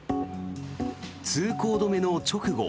通行止めの直後